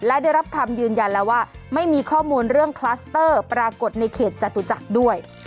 และได้รับคำยืนยันแล้วว่าไม่มีข้อมูลเรื่องคลัสเตอร์ปรากฏในเขตจตุจักรด้วย